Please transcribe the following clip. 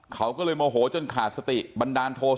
เขาก็เลยโมโหจนขาดสติบันดาลโทษะ